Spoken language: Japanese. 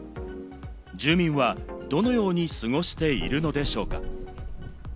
住民はどのように過ごしているのでしょうか？